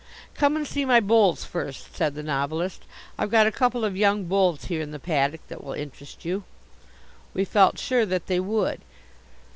"Come and see my bulls first," said the Novelist. "I've got a couple of young bulls here in the paddock that will interest you." We felt sure that they would.